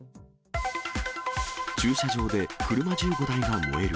駐車場で車１５台が燃える。